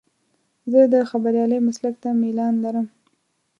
زه د خبریالۍ مسلک ته میلان لرم.